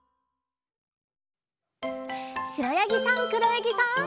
しろやぎさんくろやぎさん。